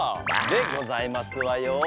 でございますわよ。